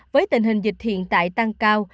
với tình hình dịch hiện tại tăng cao